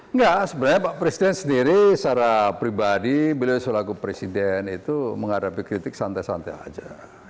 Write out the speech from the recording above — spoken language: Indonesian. enggak sebenarnya pak presiden sendiri secara pribadi bila disolah ke presiden itu menghadapi kritik santai santai aja